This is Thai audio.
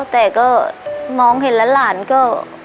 แต่ก็มองเห็นแล้วหลานก็